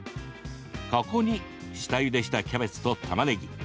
ここに下ゆでしたキャベツとたまねぎ。